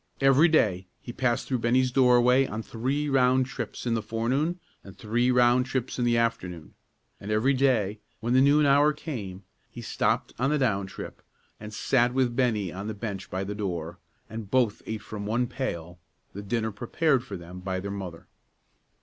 Every day he passed through Bennie's doorway on three round trips in the forenoon, and three round trips in the afternoon; and every day, when the noon hour came, he stopped on the down trip, and sat with Bennie on the bench by the door, and both ate from one pail the dinner prepared for them by their mother.